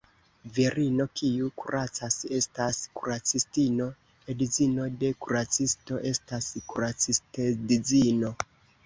Virino, kiu kuracas, estas kuracistino; edzino de kuracisto estas kuracistedzino.